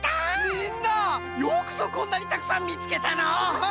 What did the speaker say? みんなよくぞこんなにたくさんみつけたのう。